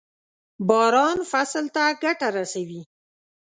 باران فصل ته ګټه رسوي.